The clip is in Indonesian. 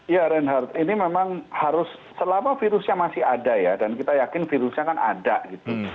ya reinhardt ini memang harus selama virusnya masih ada ya dan kita yakin virusnya kan ada gitu